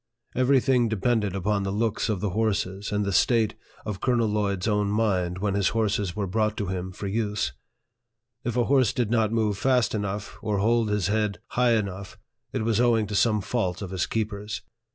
Every thing de pended upon the looks of the horses, and the state of Colonel Lloyd's own mind when his horses were brought to him for use. If a horse did not move fast enough, or hold his head high enough, it was owing to some fault of his keepers.